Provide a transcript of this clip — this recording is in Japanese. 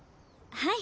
はい。